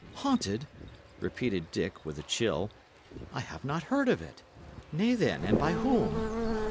"Haunted?" repeated Dick, with a chill. "I have not heard of it. Nay, then, and by whom?"